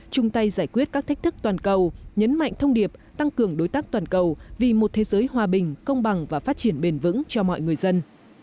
chung tay giải quyết các thách thức toàn cầu nhấn mạnh thông điệp tăng cường đối tác toàn cầu vì một thế giới hòa bình công bằng và phát triển bền vững cho mọi người dân